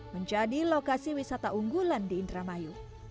menjadi lokasi wisata unggulan di indramayu